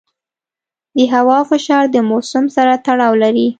د هوا فشار د موسم سره تړاو لري.